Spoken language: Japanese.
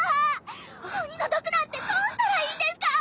鬼の毒なんてどうしたらいいんですか！？